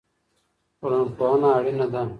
ټولنپوهنه اړینه ده.